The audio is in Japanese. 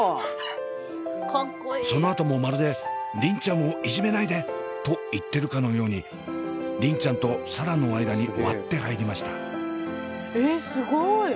そのあともまるで「梨鈴ちゃんをいじめないで！」と言っているかのように梨鈴ちゃんと紗蘭の間に割って入りました。